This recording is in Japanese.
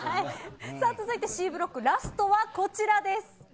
Ｃブロックラストはこちらです。